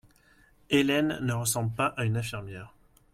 Ellen ne ressemble pas à une infirmière.